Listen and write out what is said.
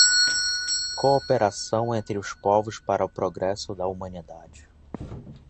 cooperação entre os povos para o progresso da humanidade;